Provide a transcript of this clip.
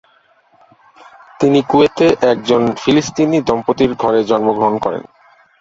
তিনি কুয়েতে একজন ফিলিস্তিনি দম্পতির ঘরে জন্মগ্রহণ করেন।